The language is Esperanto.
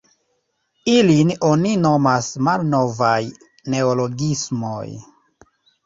Ilin oni nomas "malnovaj neologismoj".